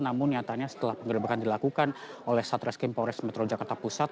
namun nyatanya setelah penggerebekan dilakukan oleh satreskrim polres metro jakarta pusat